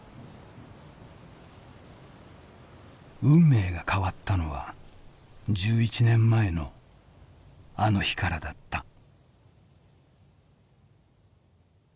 運命が変わったのは１１年前のあの日からだった。